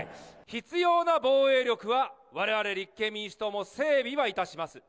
必要な防衛力はわれわれ立憲民主党も、整備はいたします。